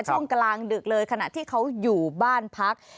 ช่วงกลางดึกเลยขณะที่เขาอยู่บ้านพัก